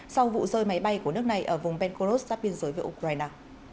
sau vụ rơi máy bay của nước này ở vùng penkoros giáp biên giới với ukraine